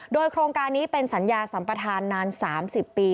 โดยโครงการนี้เป็นสัญญาสัมปทานนาน๓๐ปี